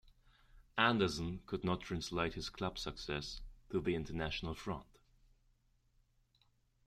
Anderson could not translate his club success to the international front.